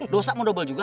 dosa mau dobel juga